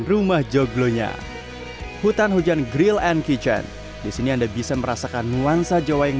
rumah joglonya hutan hujan grill and kitchen disini anda bisa merasakan nuansa jawa yang